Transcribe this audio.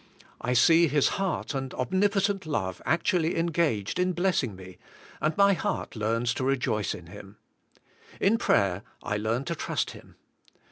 I see His heart and Omnipo tent love actually engaged in blessing me, and my heart learns to rejoice in Him. In prayer I learn to trust Him.